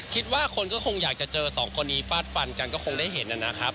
คิดว่าคนก็คงอยากจะเจอสองคนนี้ฟาดฟันกันก็คงได้เห็นนะครับ